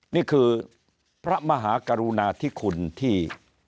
นี่คือพระมหากรุณาธิคุณที่